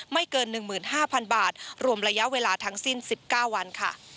ไม่เกิน๑๕๐๐๐บาทรวมระยะเวลาทั้งสิ้น๑๙วันค่ะ